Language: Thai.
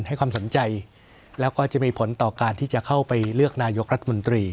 ให้ความสนใจแล้วก็จะมีผลต่อการที่จะเข้าไปเลือกนายกรัฐมนตรี